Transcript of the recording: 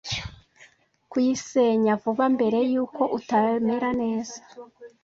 kuyisenya vuba mbere yuko utamera neza.